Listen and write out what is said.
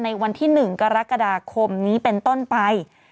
ในวันที่๑กรกฎาคมนี้เป็นต้นไป